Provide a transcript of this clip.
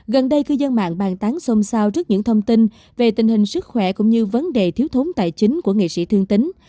gần đây cư dân mạng bàn tán xôn xao trước những thông tin về tình hình sức khỏe cũng như vấn đề thiếu thốn tài chính của nghệ sĩ thương tính